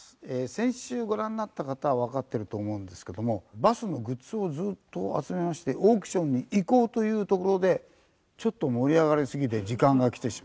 先週ご覧になった方はわかってると思うんですけどもバスのグッズをずっと集めましてオークションにいこうというところでちょっと盛り上がりすぎて時間がきてしまいまして。